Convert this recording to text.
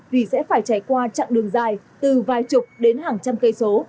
vì sẽ phải trải qua chặng đường dài từ vài chục đến hàng trăm cây số